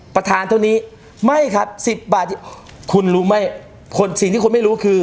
ประธานเท่านี้ไม่ครับ๑๐บาทคุณรู้ไหมสิ่งที่คุณไม่รู้คือ